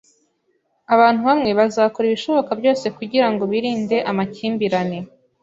Abantu bamwe bazakora ibishoboka byose kugirango birinde amakimbirane.